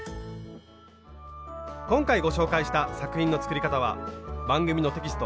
今回ご紹介した作品の作り方は番組のテキスト